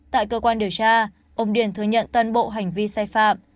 tại cơ quan điều tra ông điền thừa nhận toàn bộ hành vi sai phạm